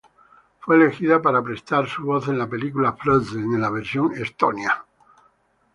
Fue elegida para prestar su voz en la película Frozen, en la versión estonia.